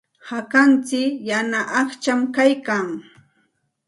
Hakantsik yana aqcham kaykan.